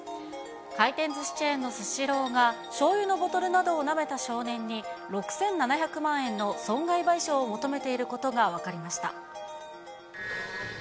回転ずしチェーンのスシローが、しょうゆのボトルなどをなめた少年に６７００万円の損害賠償を求きもっ！